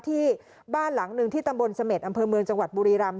ที่บ้านหลังหนึ่งที่ตำบลเสม็ดอำเภอเมืองจังหวัดบุรีรำ